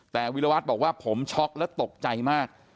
แต่วิรวัตรบอกว่าผมช็อกและตกใจมาก